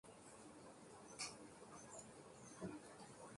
এখানে শিশুরা শিখতে পারে, কীভাবে পরিত্যক্ত জিনিসপত্র দিয়ে বাগান করা যায়।